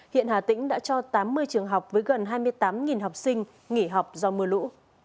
hiện hà tĩnh đã cho tám mươi trường học với gần hai mươi tám học sinh nghỉ học do mưa lũ